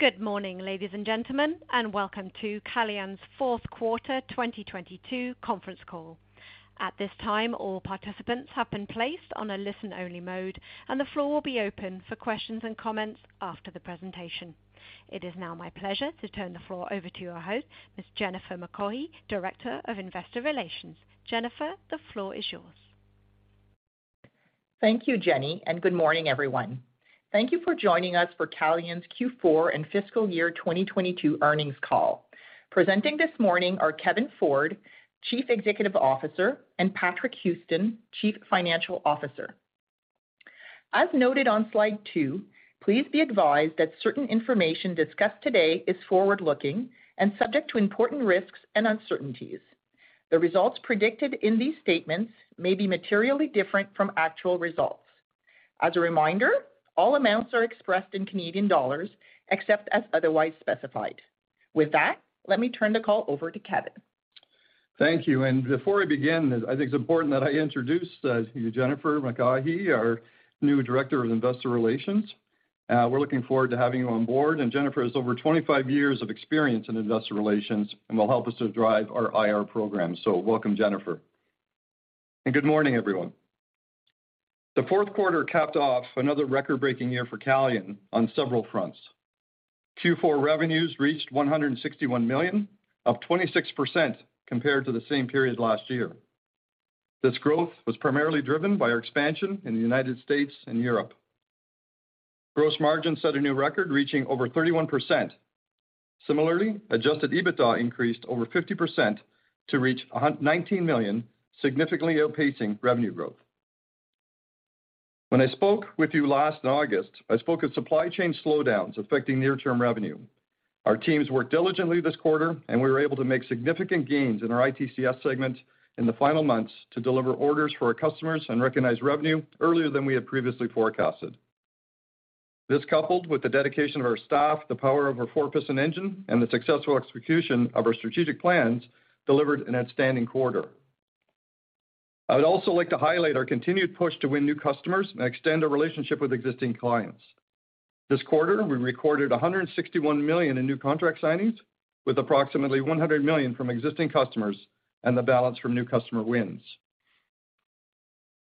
Good morning, ladies, and gentlemen, and welcome to Calian's Fourth Quarter 2022 Conference Call. At this time, all participants have been placed on a listen-only mode, and the floor will be open for questions and comments after the presentation. It is now my pleasure to turn the floor over to your host, Ms. Jennifer McCaughey, Director of Investor Relations. Jennifer, the floor is yours. Thank you, Jenny. Good morning, everyone. Thank you for joining us for Calian's Q4 and Fiscal Year 2022 Earnings Call. Presenting this morning are Kevin Ford, Chief Executive Officer, and Patrick Houston, Chief Financial Officer. As noted on slide two, please be advised that certain information discussed today is forward-looking and subject to important risks and uncertainties. The results predicted in these statements may be materially different from actual results. As a reminder, all amounts are expressed in Canadian dollars except as otherwise specified. With that, let me turn the call over to Kevin. Thank you. Before I begin, I think it's important that I introduce you, Jennifer McCaughey, our new Director of Investor Relations. We're looking forward to having you on board. Jennifer has over 25 years of experience in Investor Relations and will help us to drive our IR program. Welcome, Jennifer. Good morning, everyone. The fourth quarter capped off another record-breaking year for Calian on several fronts. Q4 revenues reached 161 million, up 26% compared to the same period last year. This growth was primarily driven by our expansion in the U.S. and Europe. Gross margin set a new record, reaching over 31%. Similarly, Adjusted EBITDA increased over 50% to reach 19 million, significantly outpacing revenue growth. When I spoke with you last in August, I spoke of supply chain slowdowns affecting near-term revenue. Our teams worked diligently this quarter, and we were able to make significant gains in our ITCS segment in the final months to deliver orders for our customers and recognize revenue earlier than we had previously forecasted. This, coupled with the dedication of our staff, the power of our four-piston engine, and the successful execution of our strategic plans, delivered an outstanding quarter. I would also like to highlight our continued push to win new customers and extend our relationship with existing clients. This quarter, we recorded 161 million in new contract signings, with approximately 100 million from existing customers and the balance from new customer wins.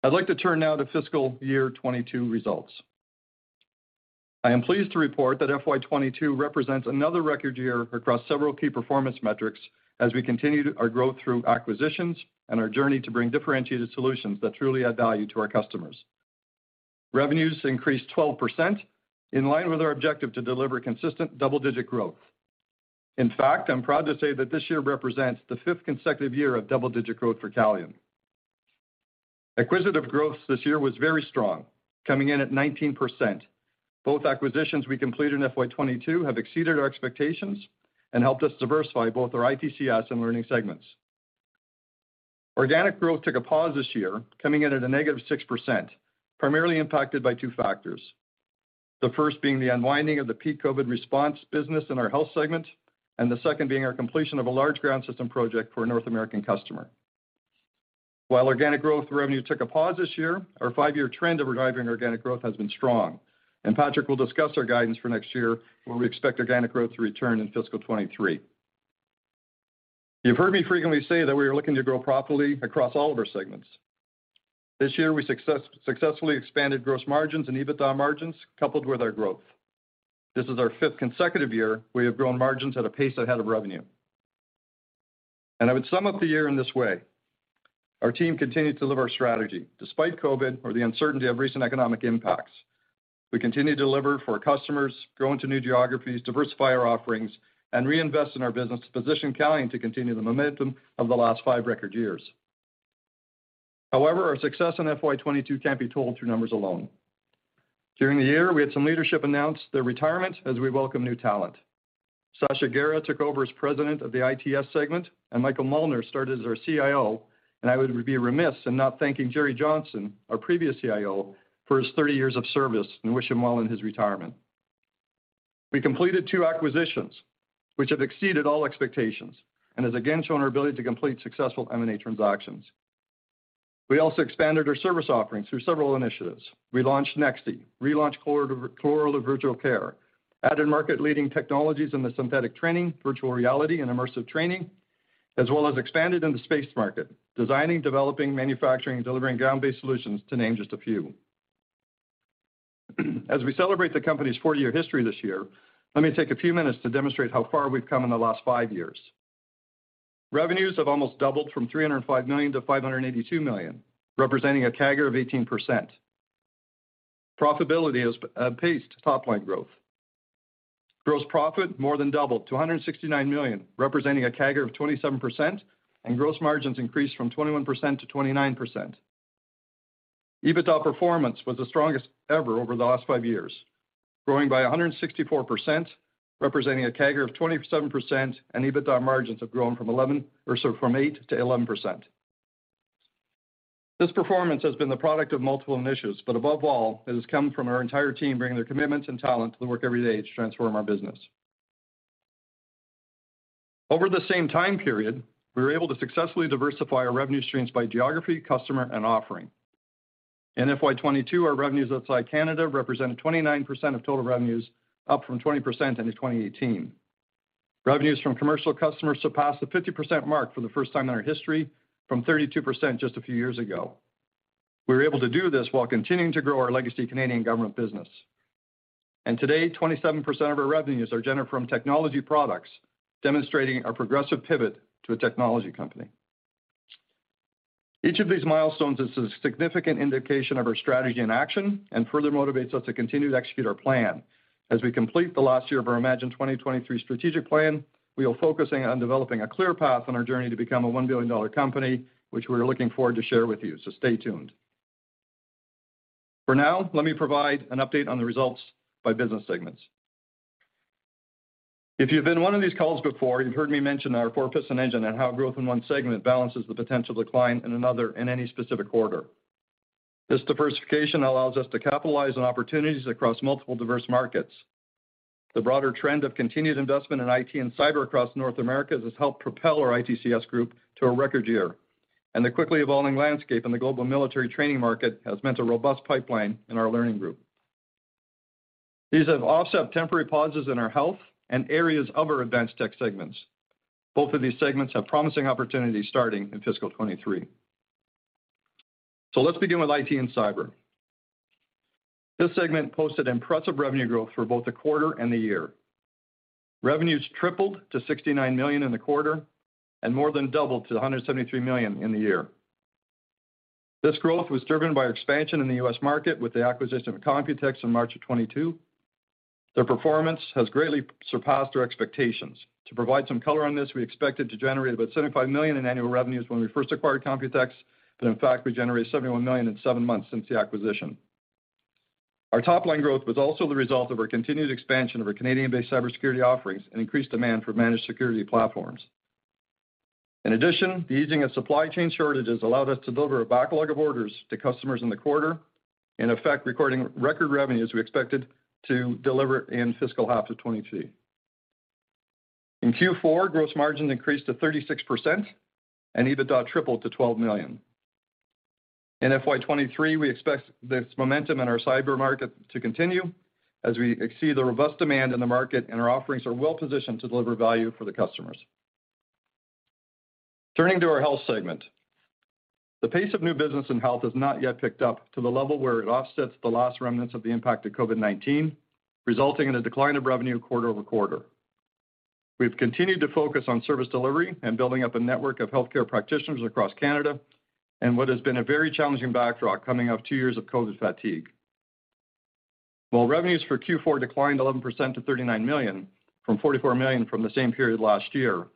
I'd like to turn now to fiscal year 2022 results. I am pleased to report that FY 2022 represents another record year across several key performance metrics as we continued our growth through acquisitions and our journey to bring differentiated solutions that truly add value to our customers. Revenues increased 12% in line with our objective to deliver consistent double-digit growth. In fact, I'm proud to say that this year represents the fifth consecutive year of double-digit growth for Calian. Acquisitive growth this year was very strong, coming in at 19%. Both acquisitions we completed in FY 2022 have exceeded our expectations and helped us diversify both our ITCS and Learning segments. Organic growth took a pause this year, coming in at a -6%, primarily impacted by two factors. The first being the unwinding of the peak COVID response business in our health segment, and the second being our completion of a large ground system project for a North American customer. While organic growth revenue took a pause this year, our five-year trend of driving organic growth has been strong. Patrick will discuss our guidance for next year, where we expect organic growth to return in fiscal 2023. You've heard me frequently say that we are looking to grow profitably across all of our segments. This year, we successfully expanded gross margins and EBITDA margins coupled with our growth. This is our fifth consecutive year we have grown margins at a pace ahead of revenue. I would sum up the year in this way: Our team continued to live our strategy despite COVID or the uncertainty of recent economic impacts. We continue to deliver for our customers, grow into new geographies, diversify our offerings, and reinvest in our business to position Calian to continue the momentum of the last five record years. Our success in FY 2022 can't be told through numbers alone. During the year, we had some leadership announce their retirement as we welcome new talent. Sacha Gera took over as President of the ITS segment, and Michael Muldner started as our CIO, and I would be remiss in not thanking Jerry Johnson, our previous CIO, for his 30 years of service and wish him well in his retirement. We completed two acquisitions which have exceeded all expectations and has again shown our ability to complete successful M&A transactions. We also expanded our service offerings through several initiatives. We launched Nexi, relaunched Corolar to virtual care, added market-leading technologies in the synthetic training, virtual reality, and immersive training, as well as expanded in the space market, designing, developing, manufacturing, delivering ground-based solutions, to name just a few. As we celebrate the company's four-year history this year, let me take a few minutes to demonstrate how far we've come in the last five years. Revenues have almost doubled from 305 million-582 million, representing a CAGR of 18%. Profitability has paced top line growth. Gross profit more than doubled to 169 million, representing a CAGR of 27%, and gross margins increased from 21%-29%. EBITDA performance was the strongest ever over the last five years, growing by 164%, representing a CAGR of 27%, and EBITDA margins have grown from 11% or so from 8%-11%. This performance has been the product of multiple initiatives, but above all, it has come from our entire team bringing their commitment and talent to the work every day to transform our business. Over the same time period, we were able to successfully diversify our revenue streams by geography, customer, and offering. In FY 2022, our revenues outside Canada represented 29% of total revenues, up from 20% in 2018. Revenues from commercial customers surpassed the 50% mark for the first time in our history from 32% just a few years ago. We were able to do this while continuing to grow our legacy Canadian government business. Today, 27% of our revenues are generated from technology products, demonstrating our progressive pivot to a technology company. Each of these milestones is a significant indication of our strategy in action and further motivates us to continue to execute our plan. As we complete the last year of our Imagine 2023 strategic plan, we are focusing on developing a clear path on our journey to become a one billion dollar company, which we're looking forward to share with you. Stay tuned. For now, let me provide an update on the results by business segments. If you've been in one of these calls before, you've heard me mention our four-piston engine and how growth in one segment balances the potential decline in another in any specific order. This diversification allows us to capitalize on opportunities across multiple diverse markets. The broader trend of continued investment in IT and Cyber across North America has helped propel our ITCS group to a record year. The quickly evolving landscape in the global military training market has meant a robust pipeline in our Learning group. These have offset temporary pauses in our Health and areas of our Advanced Tech segments. Both of these segments have promising opportunities starting in fiscal 2023. Let's begin with IT and Cyber. This segment posted impressive revenue growth for both the quarter and the year. Revenues tripled to $69 million in the quarter and more than doubled to $173 million in the year. This growth was driven by expansion in the U.S. market with the acquisition of Computex in March 2022. Their performance has greatly surpassed our expectations. To provide some color on this, we expected to generate about 75 million in annual revenues when we first acquired Computex, but in fact, we generated 71 million in seven months since the acquisition. Our top line growth was also the result of our continued expansion of our Canadian-based cybersecurity offerings and increased demand for managed security platforms. In addition, the easing of supply chain shortages allowed us to deliver a backlog of orders to customers in the quarter. In effect, recording record revenue as we expected to deliver in fiscal half of 2022. In Q4, gross margin increased to 36% and EBITDA tripled to 12 million. In FY 2023, we expect this momentum in our cyber market to continue as we exceed the robust demand in the market and our offerings are well-positioned to deliver value for the customers. Turning to our health segment. The pace of new business in health has not yet picked up to the level where it offsets the last remnants of the impact of COVID-19, resulting in a decline of revenue quarter-over-quarter. We've continued to focus on service delivery and building up a network of healthcare practitioners across Canada in what has been a very challenging backdrop coming off two years of COVID fatigue. While revenues for Q4 declined 11% to 39 million from 44 million from the same period last year,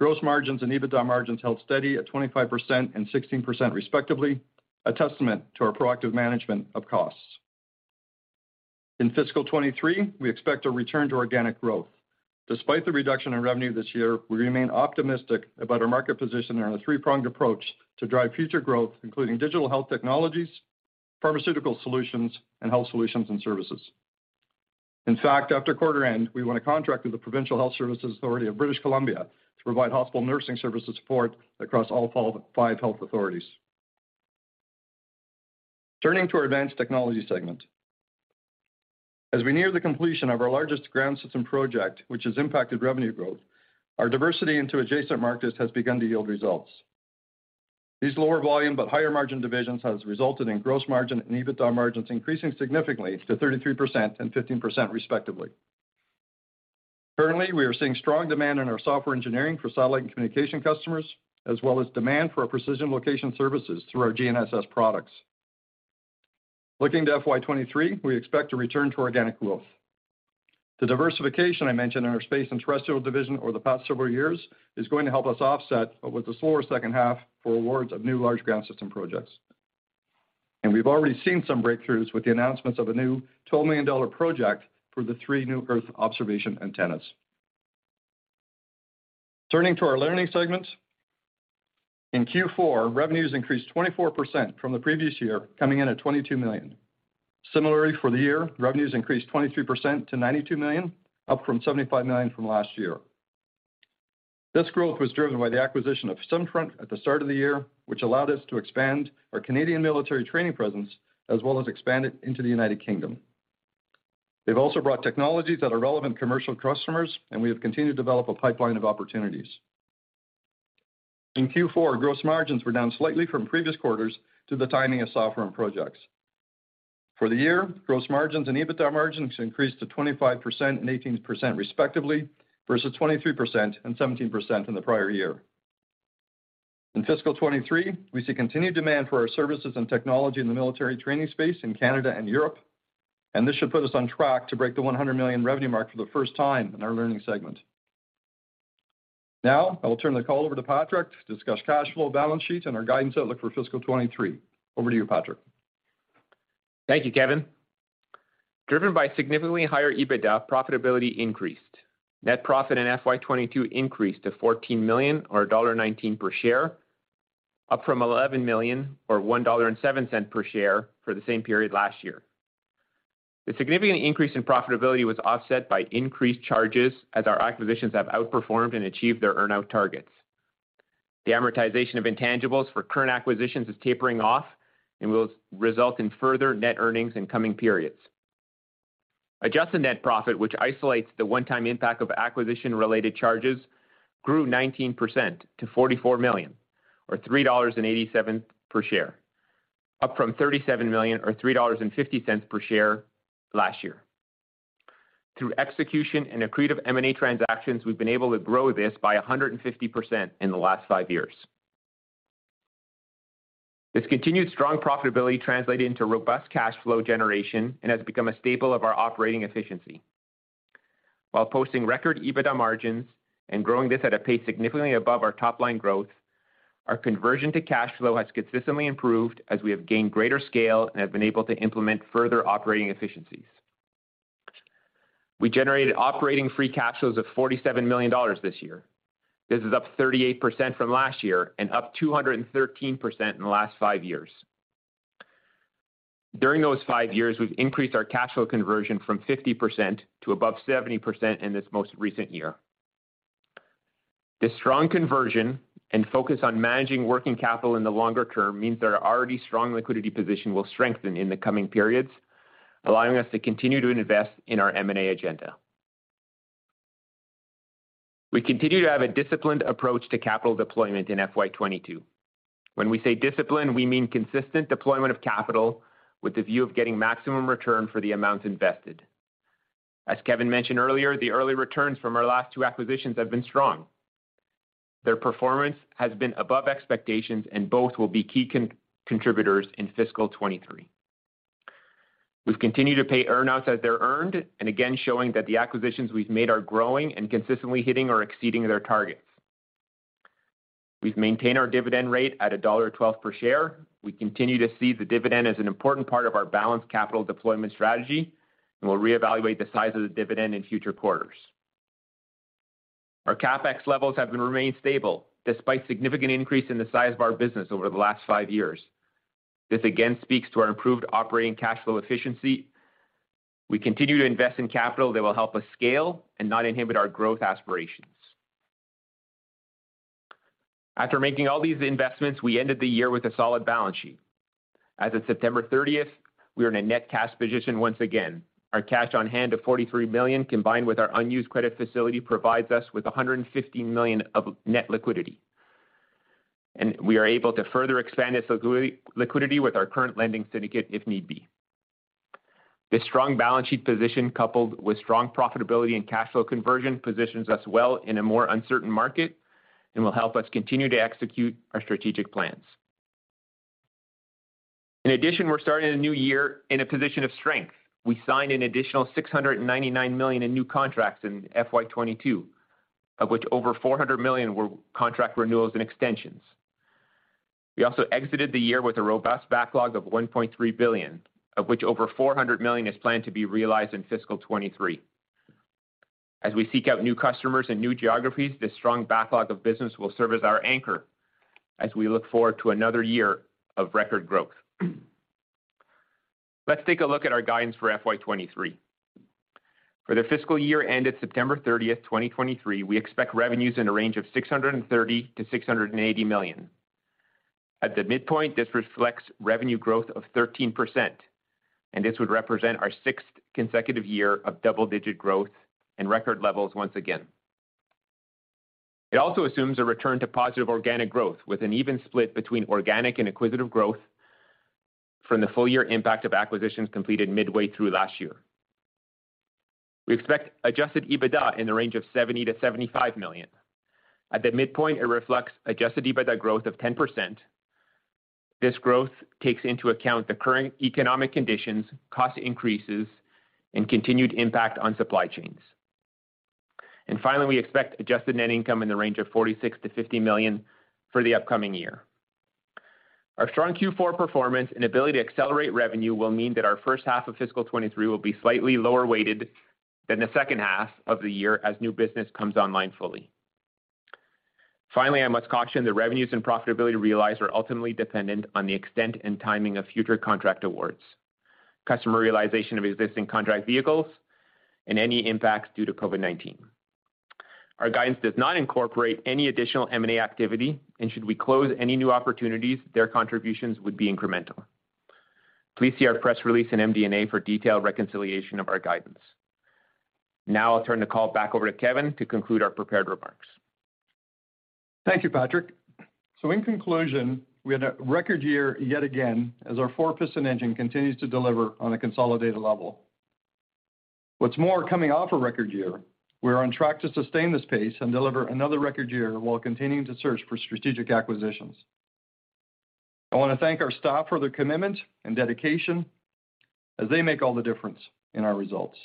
gross margins and EBITDA margins held steady at 25% and 16% respectively, a testament to our proactive management of costs. In fiscal 2023, we expect a return to organic growth. Despite the reduction in revenue this year, we remain optimistic about our market position and our three-pronged approach to drive future growth, including digital health technologies, pharmaceutical solutions, and health solutions and services. In fact, after quarter end, we won a contract with the Provincial Health Services Authority of British Columbia to provide hospital nursing services support across all five health authorities. Turning to our Advanced Technology segment. As we near the completion of our largest ground system project, which has impacted revenue growth, our diversity into adjacent markets has begun to yield results. These lower volume but higher margin divisions has resulted in gross margin and EBITDA margins increasing significantly to 33% and 15% respectively. Currently, we are seeing strong demand in our software engineering for satellite and communication customers, as well as demand for our precision location services through our GNSS products. Looking to FY 2023, we expect to return to organic growth. The diversification I mentioned in our space and terrestrial division over the past several years is going to help us offset what was a slower second half for awards of new large ground system projects. We've already seen some breakthroughs with the announcements of a new 12 million dollar project for the three new Earth observation antennas. Turning to our learning segment. In Q4, revenues increased 24% from the previous year, coming in at 22 million. Similarly, for the year, revenues increased 23% to 92 million, up from 75 million from last year. This growth was driven by the acquisition of SimFront at the start of the year, which allowed us to expand our Canadian military training presence, as well as expand it into the U.K. They've also brought technologies that are relevant to commercial customers, we have continued to develop a pipeline of opportunities. In Q4, gross margins were down slightly from previous quarters due to the timing of software and projects. For the year, gross margins and EBITDA margins increased to 25% and 18% respectively versus 23% and 17% in the prior year. In fiscal 2023, we see continued demand for our services and technology in the military training space in Canada and Europe, this should put us on track to break the 100 million revenue mark for the first time in our learning segment. Now, I will turn the call over to Patrick to discuss cash flow, balance sheet, and our guidance outlook for fiscal 2023. Over to you, Patrick. Thank you, Kevin. Driven by significantly higher EBITDA, profitability increased. Net profit in FY 2022 increased to $14 million or $1.19 per share, up from $11 million or $1.07 per share for the same period last year. The significant increase in profitability was offset by increased charges as our acquisitions have outperformed and achieved their earn-out targets. The amortization of intangibles for current acquisitions is tapering off and will result in further net earnings in coming periods. Adjusted net profit, which isolates the one-time impact of acquisition-related charges, grew 19% to $44 million, or $3.87 per share, up from $37 million or $3.50 per share last year. Through execution and accretive M&A transactions, we've been able to grow this by 150% in the last five years. This continued strong profitability translated into robust cash flow generation and has become a staple of our operating efficiency. While posting record EBITDA margins and growing this at a pace significantly above our top-line growth, our conversion to cash flow has consistently improved as we have gained greater scale and have been able to implement further operating efficiencies. We generated operating free cash flows of 47 million dollars this year. This is up 38% from last year and up 213% in the last five years. During those five years, we've increased our cash flow conversion from 50% to above 70% in this most recent year. This strong conversion and focus on managing working capital in the longer term means that our already strong liquidity position will strengthen in the coming periods, allowing us to continue to invest in our M&A agenda. We continue to have a disciplined approach to capital deployment in FY 2022. When we say discipline, we mean consistent deployment of capital with the view of getting maximum return for the amounts invested. As Kevin mentioned earlier, the early returns from our last two acquisitions have been strong. Their performance has been above expectations, both will be key contributors in fiscal 2023. We've continued to pay earn-outs as they're earned, again, showing that the acquisitions we've made are growing and consistently hitting or exceeding their targets. We've maintained our dividend rate at dollar 1.12 per share. We continue to see the dividend as an important part of our balanced capital deployment strategy, we'll reevaluate the size of the dividend in future quarters. Our CapEx levels have remained stable despite significant increase in the size of our business over the last five years. This again speaks to our improved operating cash flow efficiency. We continue to invest in capital that will help us scale and not inhibit our growth aspirations. After making all these investments, we ended the year with a solid balance sheet. As of September 30th, we are in a net cash position once again. Our cash on hand of 43 million, combined with our unused credit facility, provides us with 150 million of net liquidity. We are able to further expand this liquidity with our current lending syndicate if need be. This strong balance sheet position, coupled with strong profitability and cash flow conversion, positions us well in a more uncertain market and will help us continue to execute our strategic plans. In addition, we're starting a new year in a position of strength. We signed an additional 699 million in new contracts in FY 2022, of which over 400 million were contract renewals and extensions. We also exited the year with a robust backlog of 1.3 billion, of which over 400 million is planned to be realized in fiscal 2023. As we seek out new customers and new geographies, this strong backlog of business will serve as our anchor as we look forward to another year of record growth. Let's take a look at our guidance for FY 2023. For the fiscal year ended September 30th, 2023, we expect revenues in a range of 630 million-680 million. At the midpoint, this reflects revenue growth of 13%, and this would represent our sixth consecutive year of double-digit growth and record levels once again. It also assumes a return to positive organic growth with an even split between organic and acquisitive growth from the full year impact of acquisitions completed midway through last year. We expect Adjusted EBITDA in the range of 70 million-75 million. At the midpoint, it reflects Adjusted EBITDA growth of 10%. This growth takes into account the current economic conditions, cost increases, and continued impact on supply chains. Finally, we expect adjusted net income in the range of 46 million-50 million for the upcoming year. Our strong Q4 performance and ability to accelerate revenue will mean that our first half of fiscal 2023 will be slightly lower weighted than the second half of the year as new business comes online fully. Finally, I must caution that revenues and profitability realized are ultimately dependent on the extent and timing of future contract awards, customer realization of existing contract vehicles, and any impacts due to COVID-19. Our guidance does not incorporate any additional M&A activity. Should we close any new opportunities, their contributions would be incremental. Please see our press release in MD&A for detailed reconciliation of our guidance. Now I'll turn the call back over to Kevin to conclude our prepared remarks. Thank you, Patrick. In conclusion, we had a record year yet again as our four-piston engine continues to deliver on a consolidated level. What's more, coming off a record year, we are on track to sustain this pace and deliver another record year while continuing to search for strategic acquisitions. I wanna thank our staff for their commitment and dedication as they make all the difference in our results.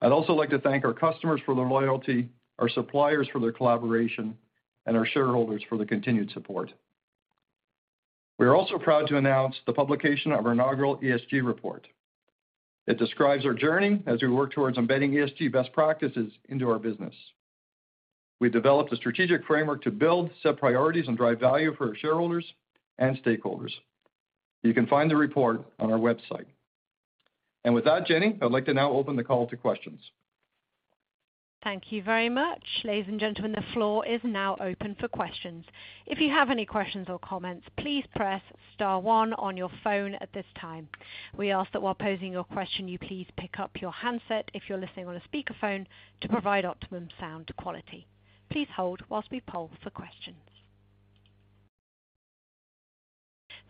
I'd also like to thank our customers for their loyalty, our suppliers for their collaboration, and our shareholders for the continued support. We are also proud to announce the publication of our inaugural ESG report. It describes our journey as we work towards embedding ESG best practices into our business. We developed a strategic framework to build, set priorities, and drive value for our shareholders and stakeholders. You can find the report on our website. With that, Jenny, I'd like to now open the call to questions. Thank you very much. Ladies, and gentlemen, the floor is now open for questions. If you have any questions or comments, please press star one on your phone at this time. We ask that while posing your question, you please pick up your handset if you're listening on a speakerphone to provide optimum sound quality. Please hold while we poll for questions.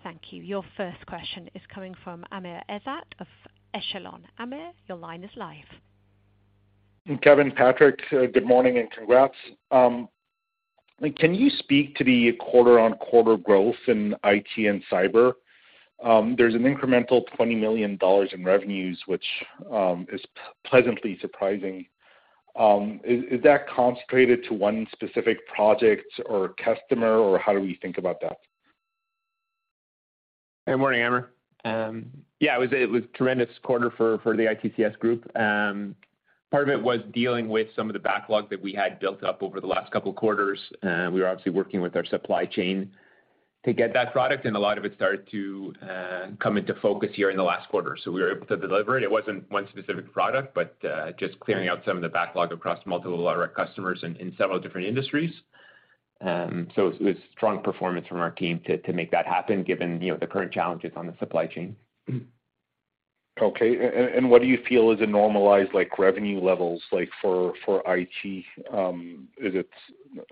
Thank you. Your first question is coming from Amir Ezzat of Echelon. Amir, your line is live. Kevin, Patrick, good morning, and congrats. Can you speak to the quarter-on-quarter growth in IT and cyber? There's an incremental 20 million dollars in revenues, which is pleasantly surprising. Is that concentrated to one specific project or customer? Or how do we think about that? Good morning, Amir. Yeah, it was a tremendous quarter for the IT/TS group. Part of it was dealing with some of the backlog that we had built up over the last couple of quarters. A lot of it started to come into focus here in the last quarter. We were able to deliver it. It wasn't one specific product, but just clearing out some of the backlog across multiple of our customers in several different industries. It was strong performance from our team to make that happen given, you know, the current challenges on the supply chain. Okay. What do you feel is a normalized, like revenue levels like for IT?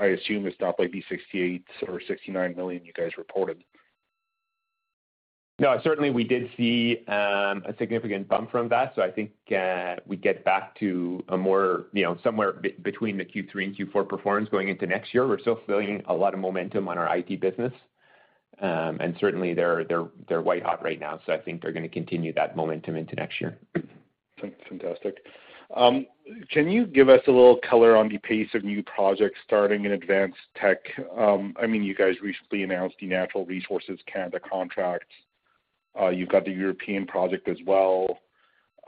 I assume it's not like the 68 million or 69 million you guys reported. Certainly, we did see a significant bump from that. I think, we get back to a more, you know, somewhere between the Q3 and Q4 performance going into next year. We're still feeling a lot of momentum on our IT business. Certainly they're white-hot right now, so I think they're gonna continue that momentum into next year. Fantastic. Can you give us a little color on the pace of new projects starting in Advanced Tech? I mean, you guys recently announced the Natural Resources Canada contracts. You've got the European project as well.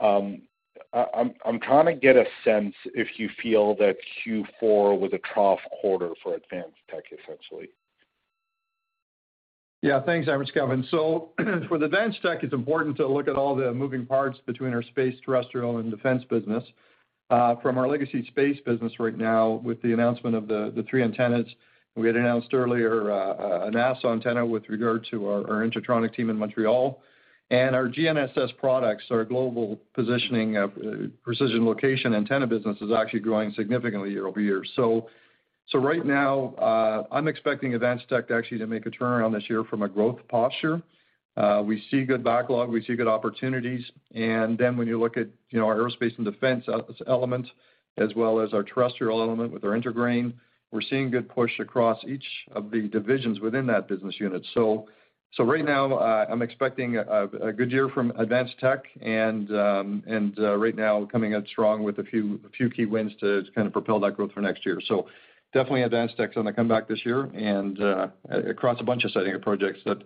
I'm trying to get a sense if you feel that Q4 was a trough quarter for Advanced Tech, essentially? Yeah. Thanks, Amir. It's Kevin. For Advanced Tech, it's important to look at all the moving parts between our space, terrestrial, and defense business. From our legacy space business right now, with the announcement of the three antennas, we had announced earlier, a NASA antenna with regard to our InterTronic team in Montreal. Our GNSS products, our global positioning of precision location antenna business is actually growing significantly year-over-year. Right now, I'm expecting Advanced Tech actually to make a turnaround this year from a growth posture. We see good backlog, we see good opportunities. When you look at, you know, our aerospace and defense element, as well as our terrestrial element with our IntraGrain, we're seeing good push across each of the divisions within that business unit. Right now, I'm expecting a good year from Advanced Tech and right now coming out strong with a few key wins to kind of propel that growth for next year. Definitely Advanced Tech is on the comeback this year and across a bunch of setting of projects that, you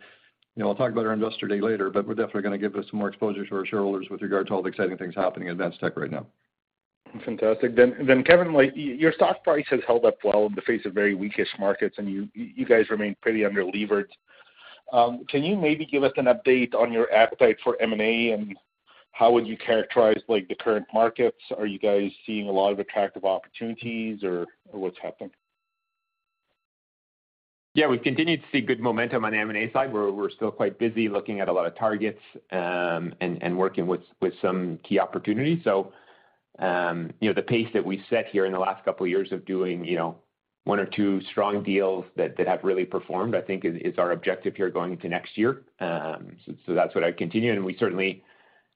know, I'll talk about our Investor Day later, but we're definitely gonna give this more exposure to our shareholders with regard to all the exciting things happening at Advanced Tech right now. Fantastic. Kevin, like, your stock price has held up well in the face of very weak-ish markets, and you guys remain pretty under levered. Can you maybe give us an update on your appetite for M&A, and how would you characterize, like, the current markets? Are you guys seeing a lot of attractive opportunities or what's happening? Yeah, we've continued to see good momentum on M&A side. We're still quite busy looking at a lot of targets, and working with some key opportunities. You know, the pace that we've set here in the last couple of years of doing, you know, one or two strong deals that have really performed, I think is our objective here going into next year. That's what I continue. We certainly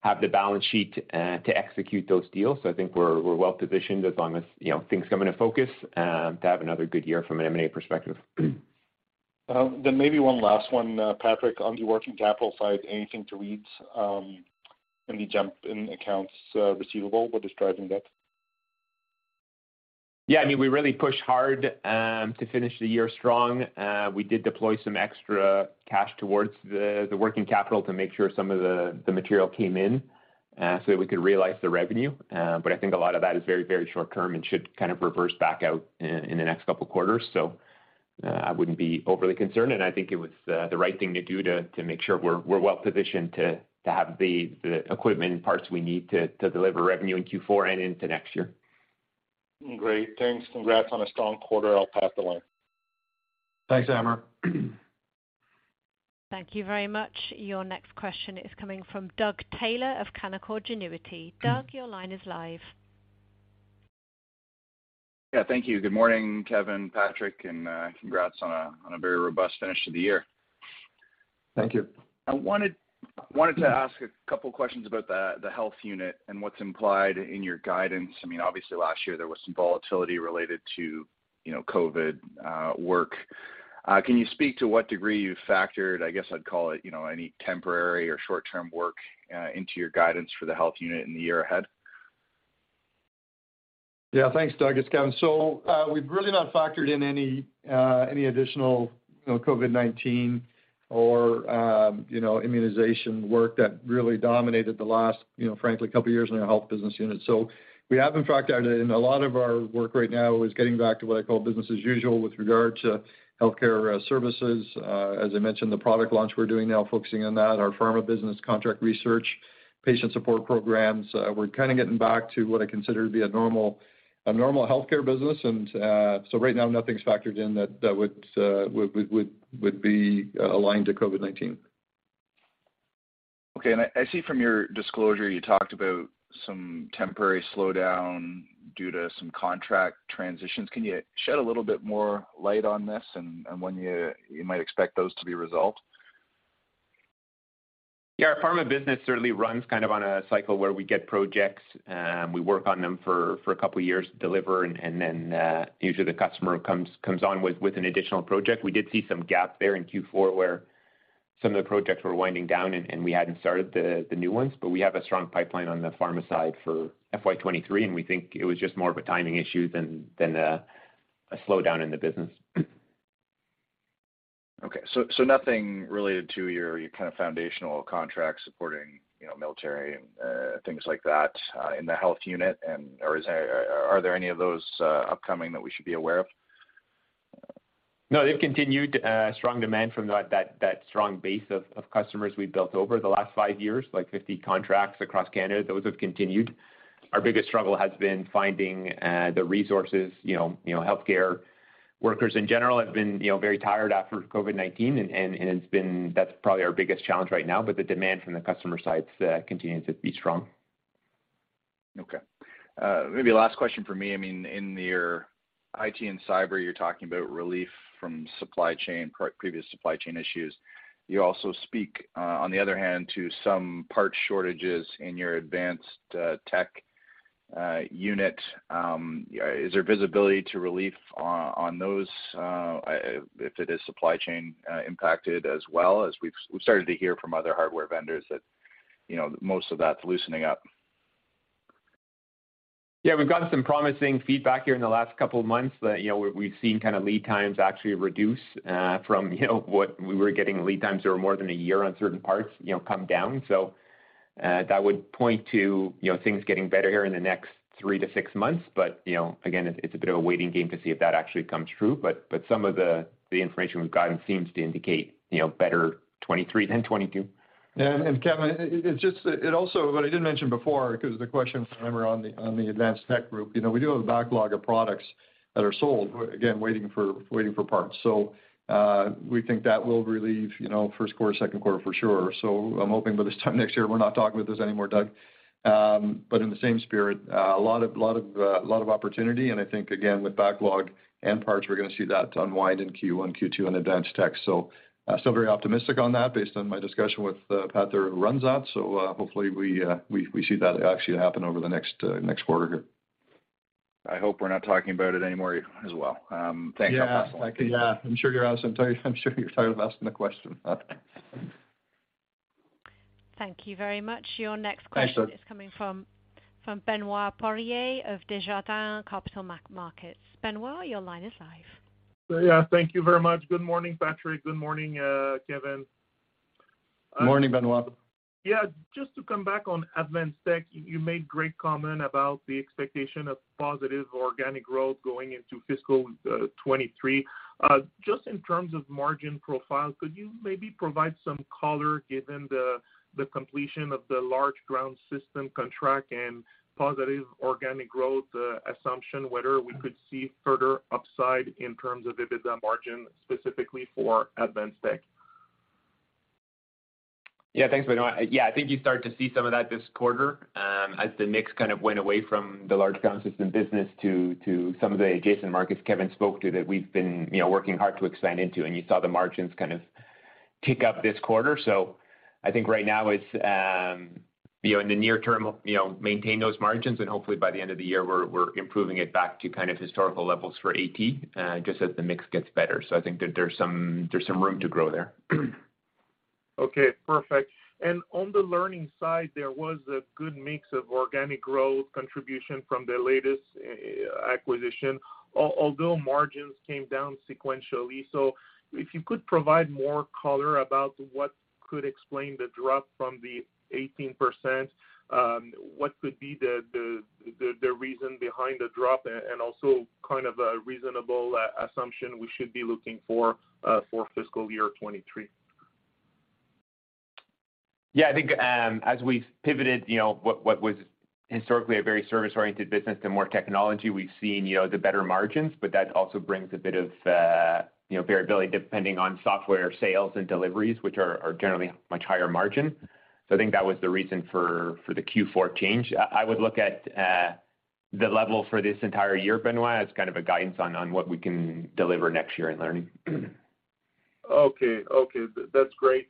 have the balance sheet to execute those deals. I think we're well-positioned as long as, you know, things come into focus, to have another good year from an M&A perspective. Maybe one last one, Patrick, on the working capital side, anything to read, any jump in accounts receivable? What is driving that? I mean, we really pushed hard to finish the year strong. We did deploy some extra cash towards the working capital to make sure some of the material came in so that we could realize the revenue. I think a lot of that is very, very short term and should kind of reverse back out in the next couple of quarters. I wouldn't be overly concerned, and I think it was the right thing to do to make sure we're well-positioned to have the equipment and parts we need to deliver revenue in Q4 and into next year. Great. Thanks. Congrats on a strong quarter. I'll pass the line. Thanks, Amir. Thank you very much. Your next question is coming from Doug Taylor of Canaccord Genuity. Doug, your line is live. Yeah, thank you. Good morning, Kevin, Patrick, and congrats on a very robust finish to the year. Thank you. I wanted to ask a couple of questions about the health unit and what's implied in your guidance. I mean, obviously last year there was some volatility related to, you know, COVID work. Can you speak to what degree you factored, I guess I'd call it, you know, any temporary or short-term work, into your guidance for the health unit in the year ahead? Yeah, thanks, Doug. It's Kevin. We've really not factored in any additional, you know, COVID-19 or, you know, immunization work that really dominated the last, you know, frankly, couple years in our health business unit. We have in fact added in a lot of our work right now is getting back to what I call business as usual with regard to healthcare services. As I mentioned, the product launch we're doing now, focusing on that, our pharma business contract research, patient support programs. We're kind of getting back to what I consider to be a normal healthcare business. Right now nothing's factored in that that would be aligned to COVID-19. Okay. I see from your disclosure you talked about some temporary slowdown due to some contract transitions. Can you shed a little bit more light on this and when you might expect those to be resolved? Yeah. Our pharma business certainly runs kind of on a cycle where we get projects, we work on them for a couple years, deliver, and then usually the customer comes on with an additional project. We did see some gap there in Q4 where some of the projects were winding down and we hadn't started the new ones. We have a strong pipeline on the pharma side for FY 2023, and we think it was just more of a timing issue than a slowdown in the business. Okay. Nothing related to your kind of foundational contracts supporting, you know, military and things like that, in the health unit or are there any of those upcoming that we should be aware of? No. They've continued strong demand from that strong base of customers we've built over the last five years, like 50 contracts across Canada. Those have continued. Our biggest struggle has been finding the resources. You know, healthcare workers in general have been, you know, very tired after COVID-19 and that's probably our biggest challenge right now. The demand from the customer side continues to be strong. Okay. Maybe last question from me. I mean, in your IT and Cyber, you're talking about relief from supply chain previous supply chain issues. You also speak, on the other hand, to some part shortages in your Advanced Tech unit. Is there visibility to relief on those, if it is supply chain impacted as well as we've started to hear from other hardware vendors that, you know, most of that's loosening up? Yeah. We've gotten some promising feedback here in the last couple of months that, you know, we've seen kind of lead times actually reduce from, you know, what we were getting lead times that were more than a year on certain parts, you know, come down. That would point to, you know, things getting better here in the next three to six months. You know, again, it's a bit of a waiting game to see if that actually comes true. Some of the information we've gotten seems to indicate, you know, better 2023 than 2022. Doug, what I didn't mention before because the question from remember on the Advanced Tech group, you know, we do have a backlog of products that are sold, again, waiting for parts. We think that will relieve, you know, first quarter, second quarter for sure. I'm hoping by this time next year we're not talking about this anymore, Doug. In the same spirit, a lot of opportunity, and I think again with backlog and parts, we're gonna see that unwind in Q1, Q2 in Advanced Tech. Still very optimistic on that based on my discussion with Pat, who runs that. Hopefully we see that actually happen over the next quarter here. I hope we're not talking about it anymore as well. Thanks. Yeah. Yeah. I'm sure you're asking, I'm sure you're tired of asking the question. Thank you very much. Your next question. Thanks, Doug. is coming from Benoit Poirier of Desjardins Capital Markets. Benoit, your line is live. Yeah. Thank you very much. Good morning, Patrick. Good morning, Kevin. Morning, Benoit. Yeah. Just to come back on Advanced Tech, you made great comment about the expectation of positive organic growth going into fiscal 2023. Just in terms of margin profile, could you maybe provide some color given the completion of the large ground system contract and positive organic growth assumption, whether we could see further upside in terms of EBITDA margin specifically for Advanced Tech? Yeah. Thanks, Benoit. Yeah. I think you start to see some of that this quarter, as the mix kind of went away from the large ground system business to some of the adjacent markets Kevin spoke to that we've been, you know, working hard to expand into. You saw the margins kind of tick up this quarter. I think right now it's, you know, in the near term, you know, maintain those margins and hopefully by the end of the year we're improving it back to kind of historical levels for AT, just as the mix gets better. I think that there's some room to grow there. Okay, perfect. On the learning side, there was a good mix of organic growth contribution from the latest acquisition, although margins came down sequentially. If you could provide more color about what could explain the drop from the 18%, what could be the reason behind the drop and also kind of a reasonable assumption we should be looking for for fiscal year 2023? Yeah. I think, as we've pivoted, you know, what was historically a very service-oriented business to more technology, we've seen, you know, the better margins, but that also brings a bit of, you know, variability depending on software sales and deliveries, which are generally much higher margin. I think that was the reason for the Q4 change. I would look at the level for this entire year, Benoit, as kind of a guidance on what we can deliver next year in learning. Okay. Okay. That's great.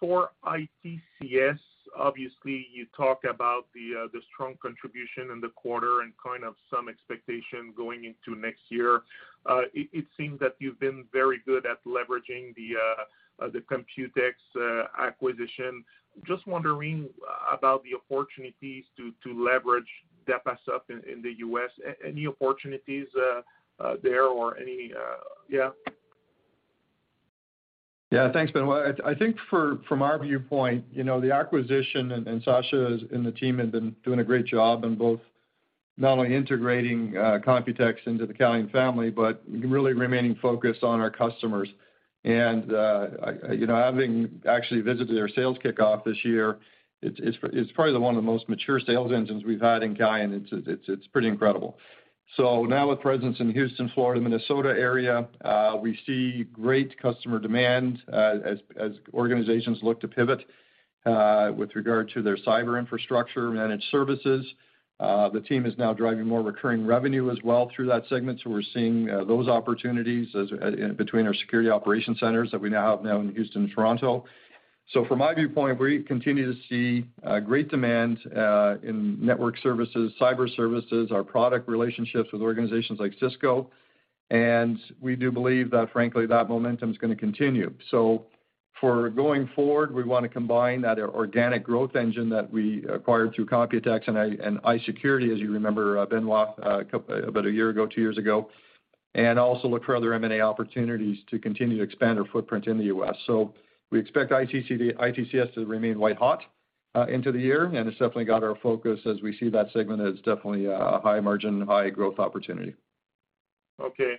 For ITCS, obviously you talked about the strong contribution in the quarter and kind of some expectation going into next year. It seems that you've been very good at leveraging the Computex acquisition. Just wondering about the opportunities to leverage that pass up in the U.S. Any opportunities there or any... Yeah. Yeah. Thanks, Benoit. I think from our viewpoint, you know, the acquisition, and Sacha is, and the team have been doing a great job in both not only integrating Computex into the Calian family, but really remaining focused on our customers. You know, having actually visited their sales kickoff this year, it's probably one of the most mature sales engines we've had in Calian. It's pretty incredible. Now with presence in Houston, Florida, Minnesota area, we see great customer demand as organizations look to pivot with regard to their cyber infrastructure managed services. The team is now driving more recurring revenue as well through that segment, so we're seeing those opportunities as in between our security operation centers that we now have now in Houston and Toronto. From my viewpoint, we continue to see great demand in network services, cyber services, our product relationships with organizations like Cisco. We do believe that frankly, that momentum is gonna continue. For going forward, we wanna combine that organic growth engine that we acquired through Computex and iSecurity, as you remember, Benoit, about one year ago, two years ago, and also look for other M&A opportunities to continue to expand our footprint in the U.S. We expect ITCS to remain white-hot into the year, and it's definitely got our focus as we see that segment as definitely a high margin, high growth opportunity. Okay.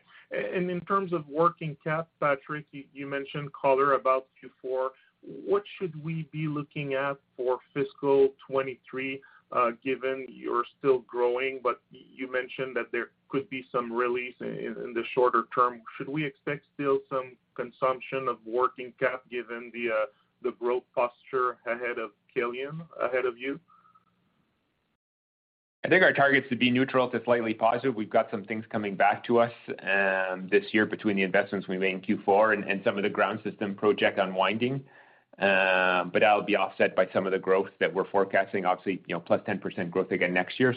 In terms of working cap, Patrick, you mentioned color about Q4. What should we be looking at for fiscal 2023, given you're still growing, but you mentioned that there could be some release in the shorter term? Should we expect still some consumption of working cap given the growth posture ahead of Calian, ahead of you? I think our target is to be neutral to slightly positive. We've got some things coming back to us this year between the investments we made in Q4 and some of the ground system project unwinding. That'll be offset by some of the growth that we're forecasting, obviously, you know, +10% growth again next year.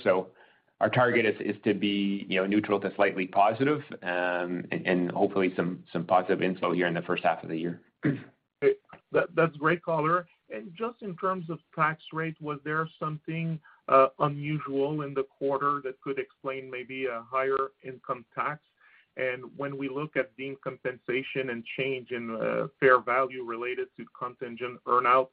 Our target is to be, you know, neutral to slightly positive, and hopefully some positive info here in the first half of the year. That's great color. Just in terms of tax rate, was there something unusual in the quarter that could explain maybe a higher income tax? When we look at the compensation and change in fair value related to contingent earn-out,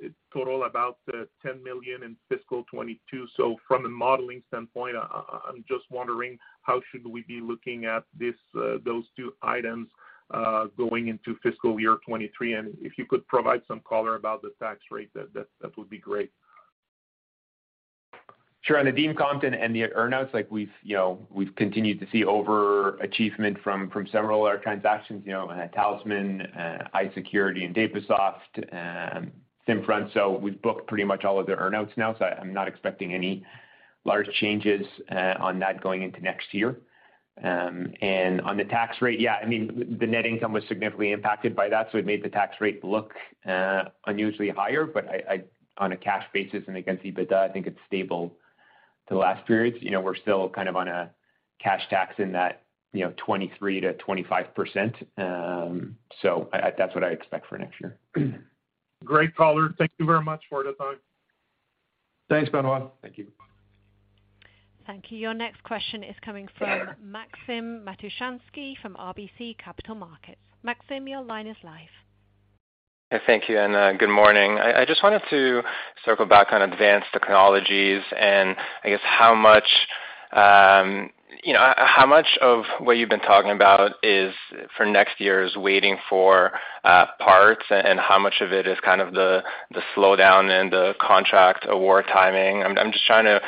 it total about 10 million in fiscal 2022. From a modeling standpoint, I'm just wondering how should we be looking at this, those two items, going into fiscal year 2023. If you could provide some color about the tax rate, that would be great. Sure. On the deem comp and the earn-outs, like we've, you know, we've continued to see over-achievement from several of our transactions, you know, Tallysman, iSecurity, and Dapasoft, SimFront. We've booked pretty much all of the earn-outs now, so I'm not expecting any large changes on that going into next year. On the tax rate, yeah, I mean, the net income was significantly impacted by that, so it made the tax rate look unusually higher. On a cash basis and against EBITDA, I think it's stable to the last periods. You know, we're still kind of on a cash tax in that, you know, 23%-25%. That's what I expect for next year. Great color. Thank you very much for the time. Thanks, Benoit. Thank you. Thank you. Your next question is coming from Maxim Matushansky from RBC Capital Markets. Maxim, your line is live. Thank you, good morning. I just wanted to circle back on Advanced Technologies and I guess how much, you know, how much of what you've been talking about is for next year is waiting for parts, and how much of it is kind of the slowdown in the contract award timing. I'm just trying to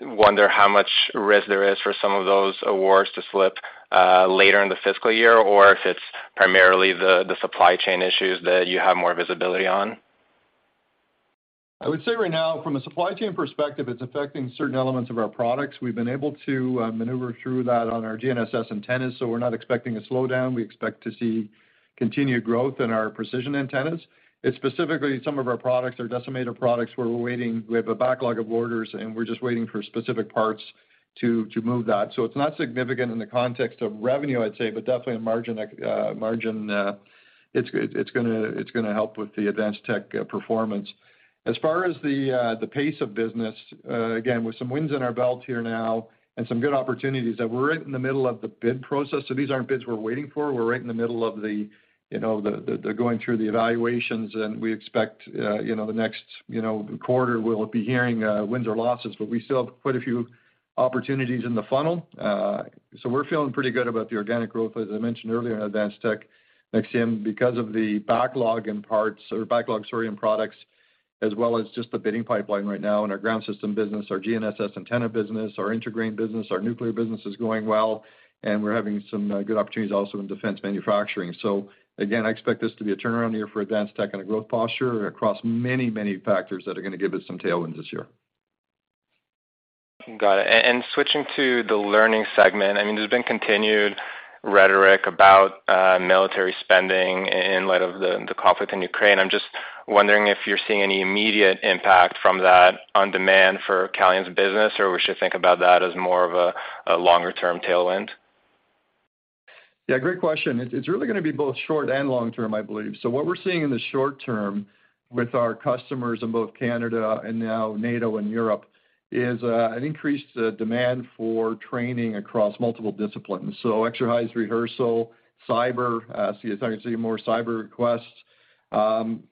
wonder how much risk there is for some of those awards to slip later in the fiscal year or if it's primarily the supply chain issues that you have more visibility on. I would say right now, from a supply chain perspective, it's affecting certain elements of our products. We've been able to maneuver through that on our GNSS antennas. We're not expecting a slowdown. We expect to see continued growth in our precision antennas. It's specifically some of our products, our Decimator products, where we're waiting. We have a backlog of orders, and we're just waiting for specific parts to move that. It's not significant in the context of revenue, I'd say, but definitely in margin, it's gonna help with the Advanced Tech performance. As far as the pace of business, again, with some wins in our belt here now and some good opportunities that we're right in the middle of the bid process. These aren't bids we're waiting for. We're right in the middle of the, you know, going through the evaluations. We expect, you know, the next, you know, quarter, we'll be hearing wins or losses. We still have quite a few opportunities in the funnel. We're feeling pretty good about the organic growth, as I mentioned earlier, in Advanced Tech, Maxim, because of the backlog in parts or backlog, sorry, in products, as well as just the bidding pipeline right now in our ground system business, our GNSS antenna business, our integrating business. Our nuclear business is going well. We're having some good opportunities also in defense manufacturing. Again, I expect this to be a turnaround year for Advanced Tech and a growth posture across many, many factors that are gonna give us some tailwinds this year. Got it. Switching to the learning segment, I mean, there's been continued rhetoric about military spending in light of the conflict in Ukraine. I'm just wondering if you're seeing any immediate impact from that on demand for Calian's business, or we should think about that as more of a longer-term tailwind? Great question. It's really gonna be both short and long term, I believe. What we're seeing in the short term with our customers in both Canada and now NATO and Europe is an increased demand for training across multiple disciplines. Exercise rehearsal, cyber, so you're starting to see more cyber requests. In